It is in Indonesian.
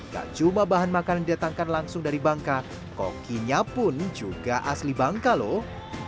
gak cuma bahan makanan didatangkan langsung dari bangka kokinya pun juga asli bangka lho